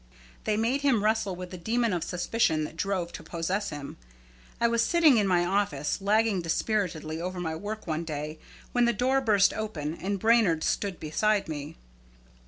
They made him wrestle with the demon of suspicion that strove to possess him. I was sitting in my office, lagging dispiritedly over my work one day, when the door burst open and Brainard stood beside me.